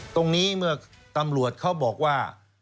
ตรงนี้เมื่อตำรวจเขาบอกว่า